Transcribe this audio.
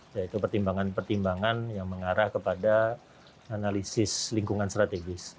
yaitu pertimbangan pertimbangan yang mengarah kepada analisis lingkungan strategis